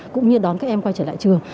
cũng như đón các em quay trở lại trường